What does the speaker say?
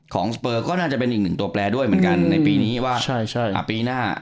สเปอร์ก็น่าจะเป็นอีกหนึ่งตัวแปลด้วยเหมือนกันในปีนี้ว่าปีหน้า